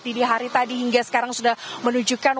dini hari tadi hingga sekarang sudah menunjukkan